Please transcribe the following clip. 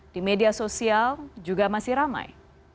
di media sosial juga masih ramai